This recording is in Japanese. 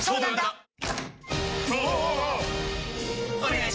お願いします！！！